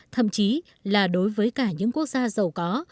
thậm chí là đối với cả những quốc gia giàu có